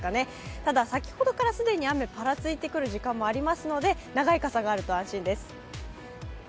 ただ先ほどから既に雨ぱらついてくる時間もありますので長い傘があると安心です。